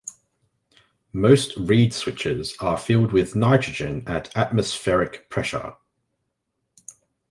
Most reed switches are filled with nitrogen at atmospheric pressure.